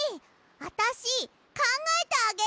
あたしかんがえてあげる！